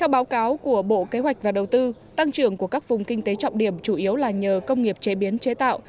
báo cáo của bộ kế hoạch và đầu tư tăng trưởng của các vùng kinh tế trọng điểm chủ yếu là nhờ công nghiệp chế biến chế tạo